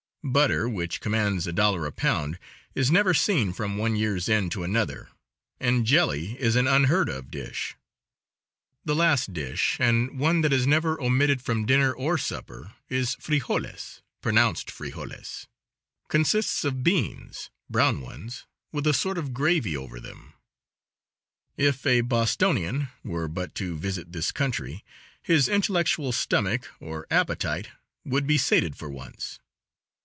Butter, which commands $1 a pound, is never seen from one year's end to another, and jelly is an unheard of dish. The last dish, and one that is never omitted from dinner or supper, is frijoles pronounced free holies consists of beans, brown ones, with a sort of gravy over them. If a Bostonian were but to visit this country his intellectual stomach, or appetite, would be sated for once.